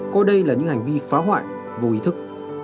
coi đây là những hành vi phá hoại vô ý thức